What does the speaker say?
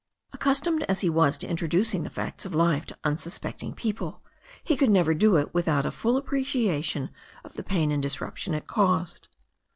Accustomed as he was to introducing the facts of life to unsuspecting people he could never do it without a full appreciation of the pain and disruption it caused.